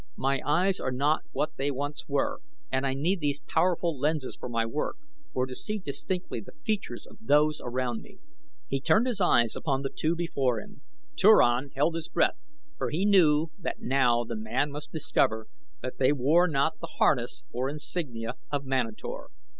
"My eyes are not what they once were, and I need these powerful lenses for my work, or to see distinctly the features of those around me." He turned his eyes upon the two before him. Turan held his breath for he knew that now the man must discover that they wore not the harness or insignia of Manator.